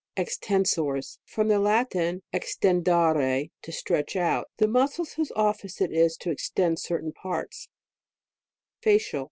EXTENSORS. From the Latin, exten dere, to stretch out. The muscles whose office it is to extend certain parts FILIFORM.